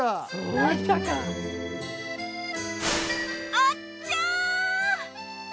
あっちゃ！